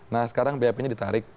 nah sekarang bap nya ditarik